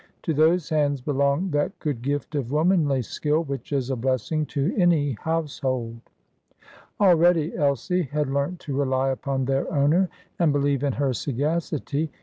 To those hands belonged that good gift of womanly skill which is a blessing to any household. Already Elsie had learnt to rely upon their owner, and believe in her sagacity.